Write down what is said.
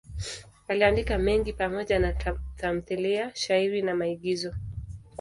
Aliandika mengi pamoja na tamthiliya, shairi na maigizo.